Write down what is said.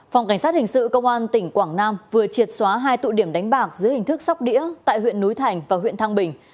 phòng cảnh sát hình sự công an tỉnh quảng nam vừa triệt xóa hai tụ điểm đánh bạc dưới hình thức sóc đĩa tại huyện núi thành và huyện thăng bình